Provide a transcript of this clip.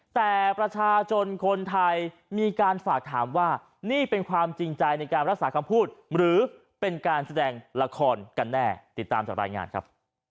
แต่ประชาชนคนไทยมีการฝากถามว่านี่เป็นความจริงใจในการรักษาคำพูดหรือเป็นการแสดงละครกันแน่ติดตามจากรายงานครับ